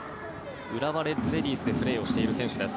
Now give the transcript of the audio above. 浦和レッズレディースでプレーしている選手です。